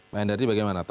pak endardi bagaimana